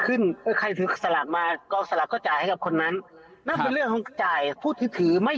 ขึ้นใครสลักมากองสลักก็จ่ายให้กับคนนั้นปุ้บซึ้งถือไม่